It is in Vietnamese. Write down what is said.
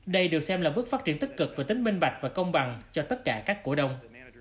đây được xem là bước phát triển tích cực và tính minh bạch và công bằng cho tất cả các cổ đông